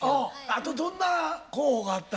あとどんな候補があった？